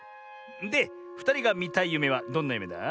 でふたりがみたいゆめはどんなゆめだ？